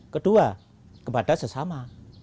kedua kepada sesama